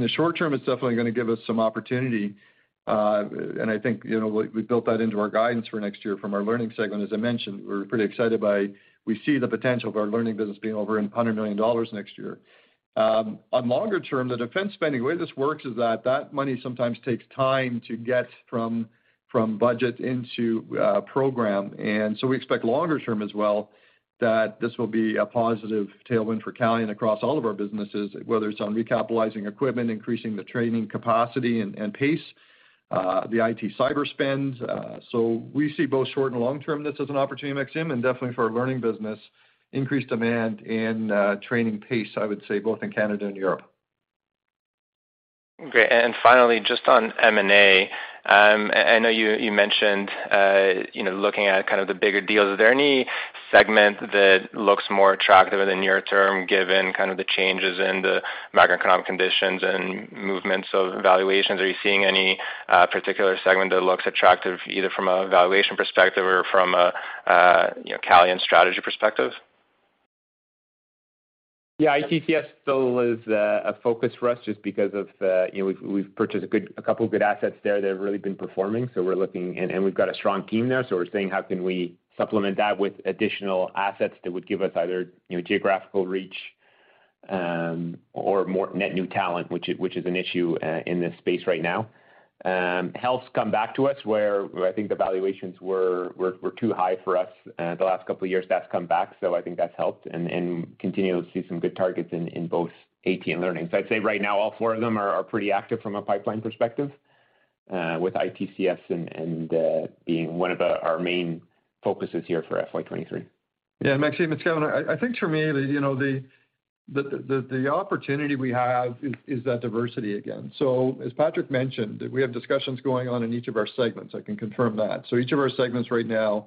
the short term, it's definitely gonna give us some opportunity. And I think, you know, we built that into our guidance for next year from our learning segment. As I mentioned, we're pretty excited by, we see the potential of our learning business being over 100 million dollars next year. On longer term, the defense spending, the way this works is that that money sometimes takes time to get from budget into program. We expect longer term as well, that this will be a positive tailwind for Calian across all of our businesses, whether it's on recapitalizing equipment, increasing the training capacity and pace, the IT cyber spends. We see both short and long term, this is an opportunity, Maxim, and definitely for our learning business, increased demand and training pace, I would say, both in Canada and Europe. Great. Finally, just on M&A. I know you mentioned, you know, looking at kind of the bigger deals. Are there any segment that looks more attractive in the near term given kind of the changes in the macroeconomic conditions and movements of valuations? Are you seeing any particular segment that looks attractive either from a valuation perspective or from a, you know, Calian strategy perspective? ITCS still is a focus for us just because of, you know, we've purchased a couple of good assets there that have really been performing. We're looking. We've got a strong team there, so we're saying how can we supplement that with additional assets that would give us either, you know, geographical reach or more net new talent, which is an issue in this space right now. Health's come back to us where I think the valuations were too high for us the last couple of years. That's come back, so I think that's helped and continue to see some good targets in both AT and learning. I'd say right now, all four of them are pretty active from a pipeline perspective, with ITCS and being one of the our main focuses here for FY 2023. Yeah. Maxim, it's Kevin. I think for me, the opportunity we have is that diversity again. As Patrick mentioned, we have discussions going on in each of our segments. I can confirm that. Each of our segments right now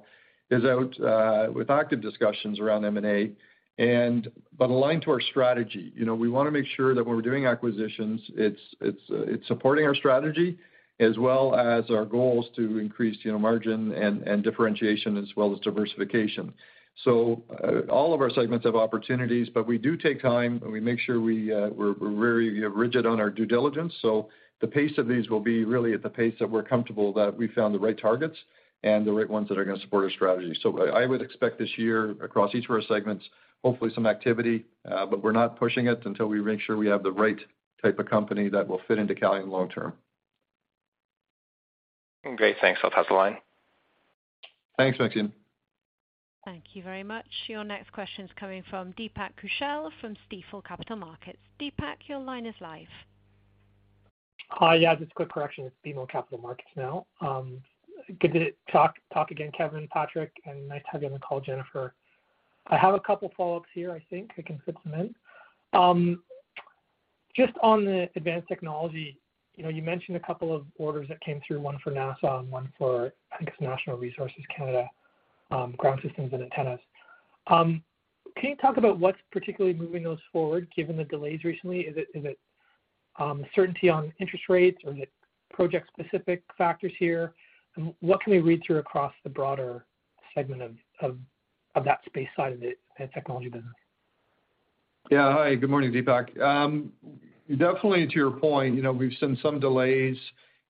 is out with active discussions around M&A. Aligned to our strategy. You know, we wanna make sure that when we're doing acquisitions, it's supporting our strategy as well as our goals to increase, you know, margin and differentiation as well as diversification. All of our segments have opportunities, but we do take time, and we make sure we're very, you know, rigid on our due diligence. The pace of these will be really at the pace that we're comfortable that we found the right targets and the right ones that are gonna support our strategy. I would expect this year across each of our segments, hopefully some activity, but we're not pushing it until we make sure we have the right type of company that will fit into Calian long term. Great. Thanks. I'll pass the line. Thanks, Maxim. Thank you very much. Your next question is coming from Deepak Kaushal from Stifel Capital Markets. Deepak, your line is live. Hi. Yeah. Just a quick correction. It's BMO Capital Markets now. Good to talk again, Kevin and Patrick, and nice to have you on the call, Jennifer. I have a couple follow-ups here I think I can fit some in. Just on the Advanced Technology, you know, you mentioned a couple of orders that came through, one for NASA and one for, I think, it's Natural Resources Canada, ground systems and antennas. Can you talk about what's particularly moving those forward given the delays recently? Is it, is it certainty on interest rates, or is it project-specific factors here? What can we read through across the broader segment of that space side of it and technology business? Yeah. Hi. Good morning, Deepak. Definitely to your point, you know, we've seen some delays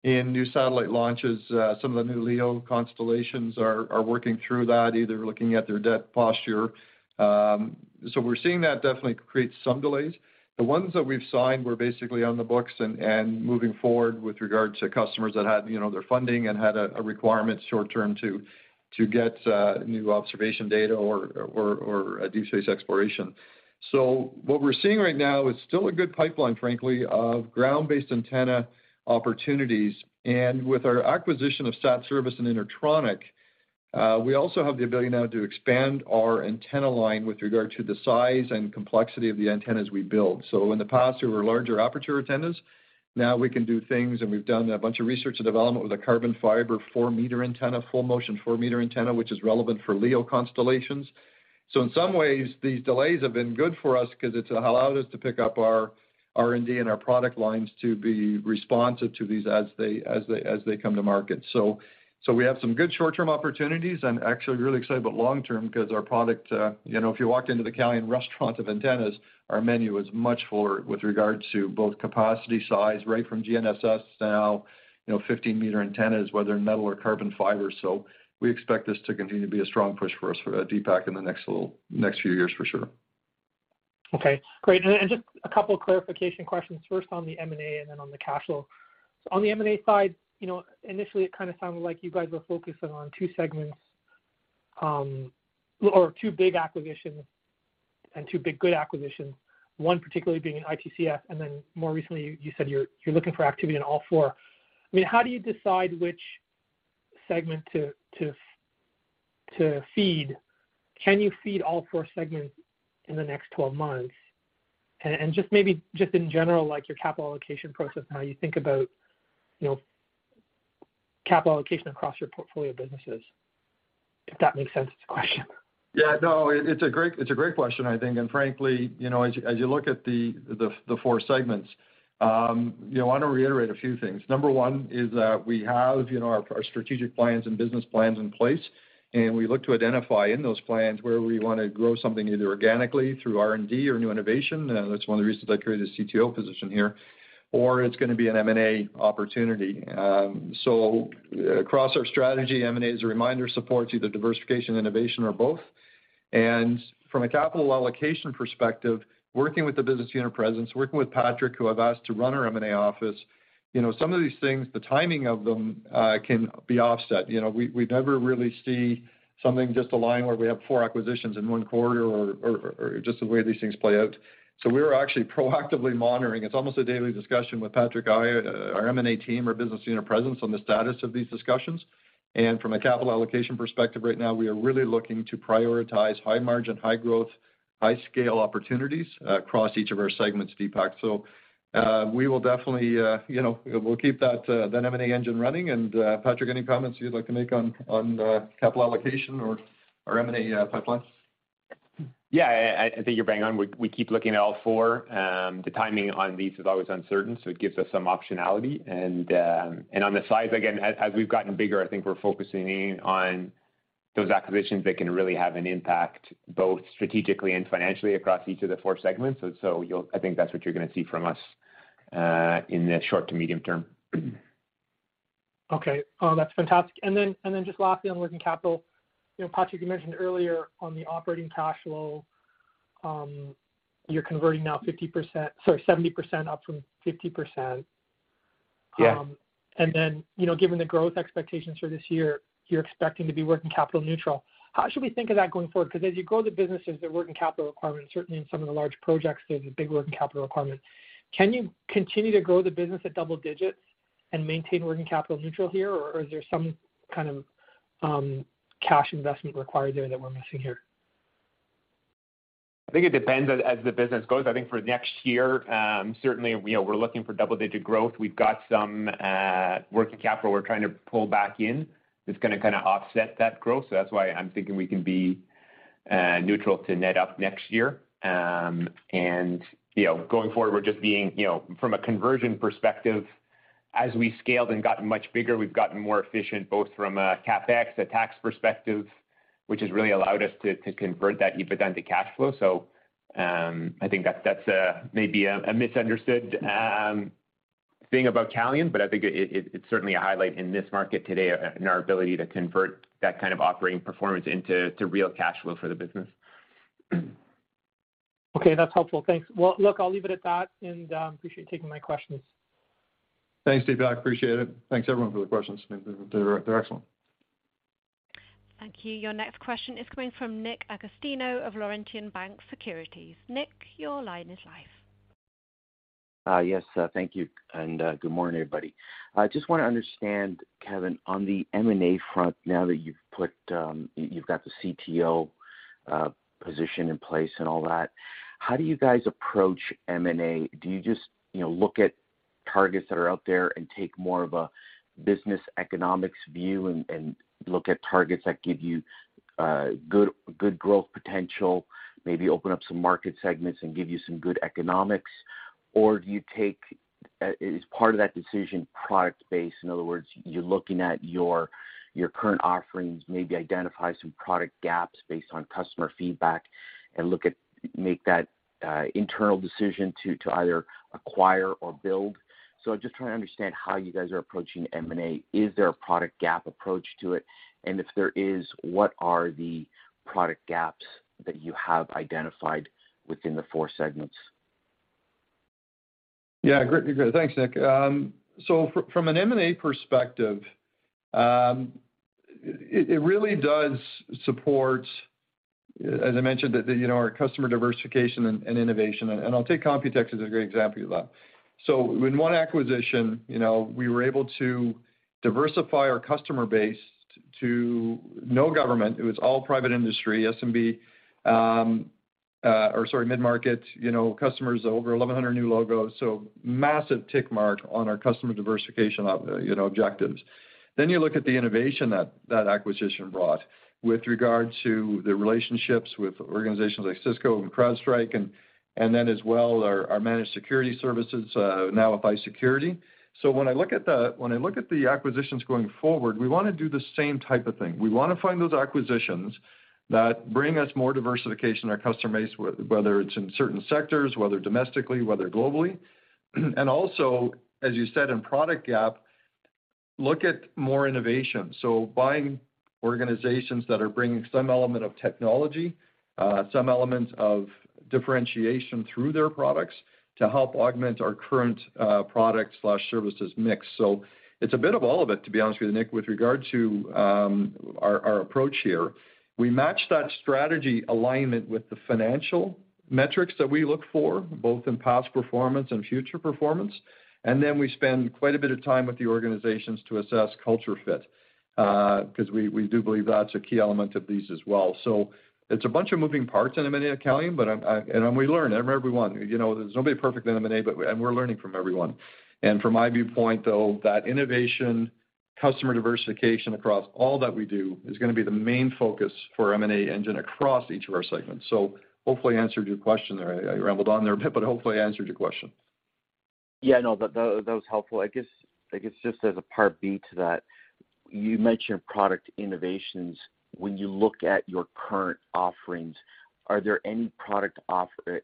in new satellite launches. Some of the new LEO constellations are working through that, either looking at their debt posture. We're seeing that definitely create some delays. The ones that we've signed were basically on the books and moving forward with regards to customers that had, you know, their funding and had a requirement short term to get new observation data or a deep space exploration. What we're seeing right now is still a good pipeline, frankly, of ground-based antenna opportunities. With our acquisition of SatService and InterTronic, we also have the ability now to expand our antenna line with regard to the size and complexity of the antennas we build. In the past, there were larger aperture antennas. Now we can do things, and we've done a bunch of research and development with a carbon fiber 4 m antenna, full motion 4 m antenna, which is relevant for LEO constellations. In some ways, these delays have been good for us 'cause it's allowed us to pick up our R&D and our product lines to be responsive to these as they come to market. We have some good short-term opportunities and actually really excited about long term 'cause our product, you know, if you walked into the Calian restaurant of antennas, our menu is much fuller with regards to both capacity size, right from GNSS to now, you know, 15 m antennas, whether in metal or carbon fiber. We expect this to continue to be a strong push for us, Deepak, in the next few years for sure. Okay, great. Just a couple clarification questions first on the M&A and then on the cash flow. On the M&A side, you know, initially it kinda sounded like you guys were focusing on two segments, or two big acquisitions and two big good acquisitions, one particularly being ITCS, and then more recently you said you're looking for activity in all four. I mean, how do you decide which segment to feed? Can you feed all four segments in the next 12 months? Just maybe just in general, like your capital allocation process and how you think about, you know, Capital allocation across your portfolio of businesses, if that makes sense as a question? Yeah, no, it's a great question, I think. Frankly, you know, as you look at the four segments, you know, I wanna reiterate a few things. Number one is that we have, you know, our strategic plans and business plans in place, and we look to identify in those plans where we wanna grow something either organically through R&D or new innovation, that's one of the reasons I created a CTO position here, or it's gonna be an M&A opportunity. Across our strategy, M&A, as a reminder, supports either diversification, innovation or both. From a capital allocation perspective, working with the business unit presidents, working with Patrick, who I've asked to run our M&A office, you know, some of these things, the timing of them can be offset. You know, we never really see something just align where we have four acquisitions in one quarter or just the way these things play out. We're actually proactively monitoring. It's almost a daily discussion with Patrick, I, our M&A team, our business unit presidents on the status of these discussions. From a capital allocation perspective right now, we are really looking to prioritize high margin, high growth, high scale opportunities across each of our segments, Deepak. We will definitely, you know... We'll keep that M&A engine running. Patrick, any comments you'd like to make on capital allocation or our M&A pipeline? Yeah. I think you're bang on. We keep looking at all four. The timing on these is always uncertain, so it gives us some optionality. On the size, again, as we've gotten bigger, I think we're focusing in on those acquisitions that can really have an impact both strategically and financially across each of the four segments. I think that's what you're gonna see from us in the short to medium term. Okay. That's fantastic. Just lastly on working capital. You know, Patrick, you mentioned earlier on the operating cash flow, you're converting now 50%... Sorry, 70% up from 50%. Yeah. You know, given the growth expectations for this year, you're expecting to be working capital neutral. How should we think of that going forward? As you grow the businesses, the working capital requirement, certainly in some of the large projects, there's a big working capital requirement. Can you continue to grow the business at double digits and maintain working capital neutral here, or is there some kind of cash investment required there that we're missing here? I think it depends as the business goes. I think for next year, certainly, you know, we're looking for double-digit growth. We've got some working capital we're trying to pull back in that's gonna kinda offset that growth. That's why I'm thinking we can be neutral to net up next year. And, you know, going forward, we're just being, you know, from a conversion perspective, as we scaled and gotten much bigger, we've gotten more efficient, both from a CapEx, a tax perspective, which has really allowed us to convert that EBITDA into cash flow. I think that's maybe a misunderstood thing about Calian, but I think it's certainly a highlight in this market today and our ability to convert that kind of operating performance into real cash flow for the business. Okay. That's helpful. Thanks. Well, look, I'll leave it at that and appreciate you taking my questions. Thanks, Deepak. Appreciate it. Thanks, everyone for the questions. They're excellent. Thank you. Your next question is coming from Nick Agostino of Laurentian Bank Securities. Nick, your line is live. Yes, thank you and good morning, everybody. I just wanna understand, Kevin, on the M&A front now that you've put, you've got the CTO position in place and all that, how do you guys approach M&A? Do you just, you know, look at targets that are out there and take more of a business economics view and look at targets that give you good growth potential, maybe open up some market segments and give you some good economics? Or do you take as part of that decision, product base? In other words, you're looking at your current offerings, maybe identify some product gaps based on customer feedback and make that internal decision to either acquire or build. Just trying to understand how you guys are approaching M&A. Is there a product gap approach to it? If there is, what are the product gaps that you have identified within the four segments? Yeah. Great. Thanks, Nick. From an M&A perspective, it really does support, as I mentioned, that, you know, our customer diversification and innovation. I'll take Computex as a great example of that. In one acquisition, you know, we were able to diversify our customer base to know government. It was all private industry, SMB, or sorry, mid-market, you know, customers over 1,100 new logos. Massive tick mark on our customer diversification objectives. You look at the innovation that that acquisition brought with regard to the relationships with organizations like Cisco and CrowdStrike, and then as well, our managed security services, now with iSecurity. When I look at the acquisitions going forward, we wanna do the same type of thing. We wanna find those acquisitions that bring us more diversification in our customer base, whether it's in certain sectors, whether domestically, whether globally. Also, as you said, in product gap, look at more innovation. Buying organizations that are bringing some element of technology, some element of differentiation through their products to help augment our current product/services mix. It's a bit of all of it, to be honest with you, Nick, with regard to, our approach here. We match that strategy alignment with the financial metrics that we look for, both in past performance and future performance. Then we spend quite a bit of time with the organizations to assess culture fit, 'cause we do believe that's a key element of these as well. It's a bunch of moving parts in M&A at Calian, but I'm, I... We learn from everyone. You know, there's nobody perfect in M&A, but we're learning from everyone. From my viewpoint, though, that innovation, customer diversification across all that we do is gonna be the main focus for M&A engine across each of our segments. Hopefully I answered your question there. I rambled on there a bit, but hopefully I answered your question. Yeah, no, that was helpful. I guess just as a part B to that, you mentioned product innovations. When you look at your current offerings, are there any product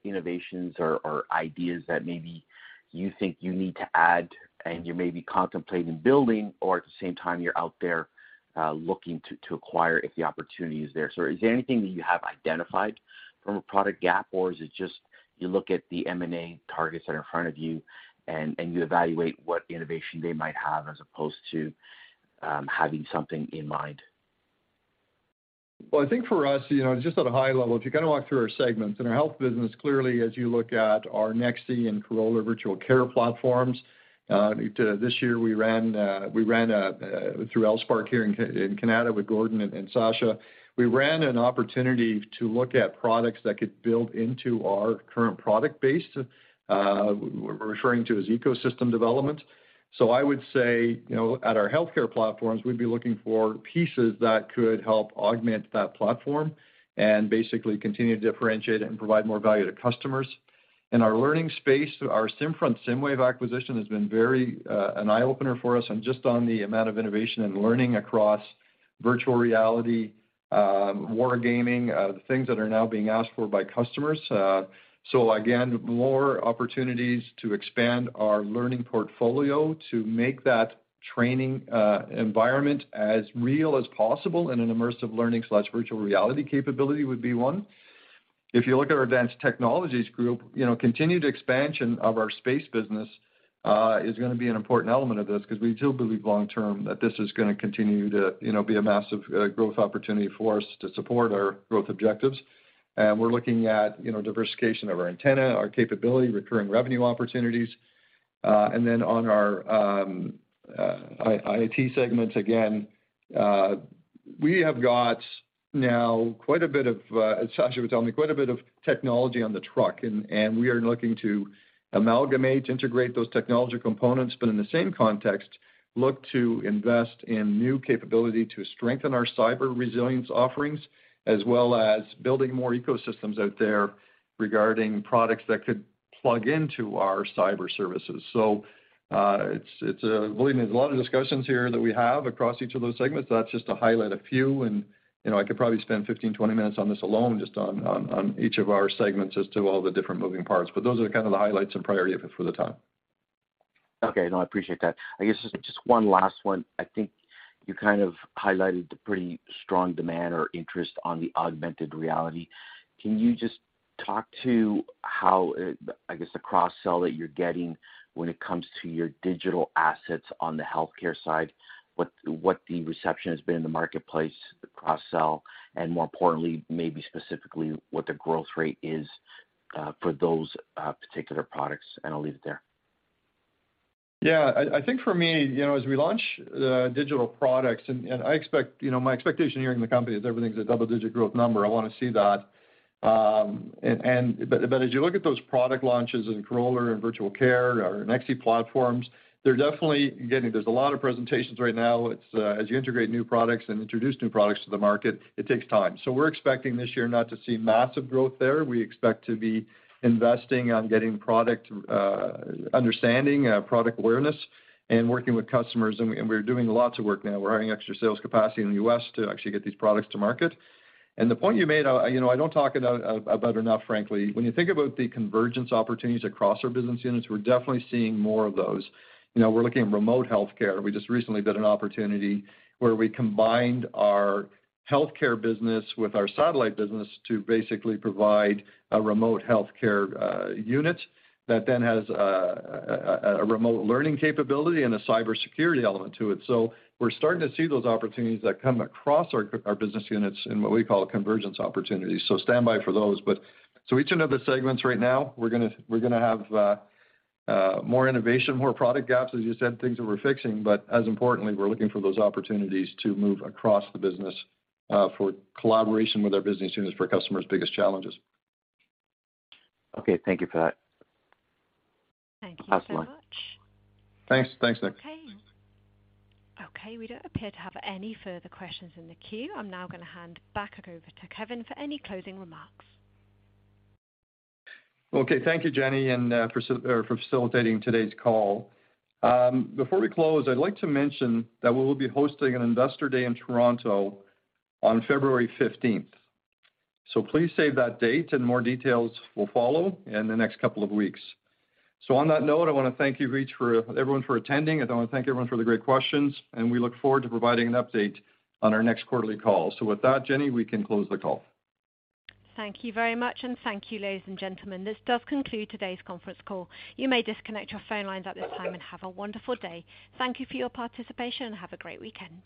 innovations or ideas that maybe you think you need to add and you may be contemplating building or at the same time you're out there looking to acquire if the opportunity is there. Is there anything that you have identified from a product gap or is it just you look at the M&A targets that are in front of you and you evaluate what innovation they might have as opposed to having something in mind? Well, I think for us, you know, just at a high level, if you kinda walk through our segments. In our health business, clearly, as you look at our Nexi and Corolar virtual care platforms, this year we ran through L-SPARK here in Canada with Gordon and Sacha. We ran an opportunity to look at products that could build into our current product base, we're referring to as ecosystem development. I would say, you know, at our healthcare platforms, we'd be looking for pieces that could help augment that platform and basically continue to differentiate it and provide more value to customers. In our learning space, our SimFront, SimWave acquisition has been very, an eye-opener for us and just on the amount of innovation and learning across virtual reality, wargaming, the things that are now being asked for by customers. Again, more opportunities to expand our learning portfolio to make that training environment as real as possible, and an immersive learning/virtual reality capability would be one. If you look at our Advanced Technologies Group, you know, continued expansion of our space business is gonna be an important element of this 'cause we do believe long-term that this is gonna continue to, you know, be a massive growth opportunity for us to support our growth objectives. We're looking at, you know, diversification of our antenna, our capability, recurring revenue opportunities. Then on our IT segments, again, we have got now quite a bit of, as Sacha was telling me, quite a bit of technology on the truck and we are looking to amalgamate, integrate those technology components, but in the same context, look to invest in new capability to strengthen our cyber resilience offerings, as well as building more ecosystems out there regarding products that could plug into our cyber services. It's, believe me, there's a lot of discussions here that we have across each of those segments. That's just to highlight a few and, you know, I could probably spend 15, 20 minutes on this alone, just on each of our segments as to all the different moving parts. Those are kind of the highlights and priority for the time. Okay. No, I appreciate that. I guess just one last one. I think you kind of highlighted the pretty strong demand or interest on the augmented reality. Can you just talk to how, I guess, the cross-sell that you're getting when it comes to your digital assets on the healthcare side, what the reception has been in the marketplace, the cross-sell, and more importantly, maybe specifically, what the growth rate is for those particular products? I'll leave it there. Yeah. I think for me, you know, as we launch digital products and I expect, you know, my expectation here in the company is everything's a double-digit growth number. I wanna see that. As you look at those product launches in Corolar and virtual care, our Nexi platforms. There's a lot of presentations right now. It's as you integrate new products and introduce new products to the market, it takes time. We're expecting this year not to see massive growth there. We expect to be investing on getting product understanding, product awareness and working with customers. We're doing lots of work now. We're adding extra sales capacity in the U.S. to actually get these products to market. The point you made, you know, I don't talk about enough, frankly. When you think about the convergence opportunities across our business units, we're definitely seeing more of those. You know, we're looking at remote healthcare. We just recently did an opportunity where we combined our healthcare business with our satellite business to basically provide a remote healthcare unit that then has a remote learning capability and a cybersecurity element to it. We're starting to see those opportunities that come across our business units in what we call convergence opportunities. Stand by for those. Each one of the segments right now, we're gonna have more innovation, more product gaps, as you said, things that we're fixing. As importantly, we're looking for those opportunities to move across the business for collaboration with our business units for customers' biggest challenges. Okay. Thank you for that. Thank you so much. Last one. Thanks. Thanks, Nick. Okay, we don't appear to have any further questions in the queue. I'm now gonna hand back over to Kevin for any closing remarks. Okay. Thank you, Jenny. For facilitating today's call. Before we close, I'd like to mention that we will be hosting an investor day in Toronto on February 15th. Please save that date and more details will follow in the next couple of weeks. On that note, I wanna thank everyone for attending, and I wanna thank everyone for the great questions, and we look forward to providing an update on our next quarterly call. With that, Jenny, we can close the call. Thank you very much. Thank you, ladies, and gentlemen. This does conclude today's conference call. You may disconnect your phone lines at this time and have a wonderful day. Thank you for your participation, and have a great weekend.